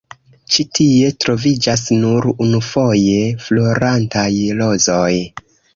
Ĉi tie troviĝas nur unufoje florantaj rozoj.